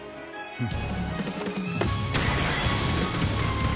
フッ！